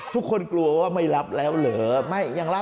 กลัวว่าไม่รับแล้วเหรอ